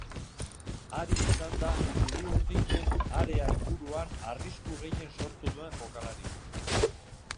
Ari izan da txuri-urdinen area inguruan arrisku gehien sortu duen jokalaria.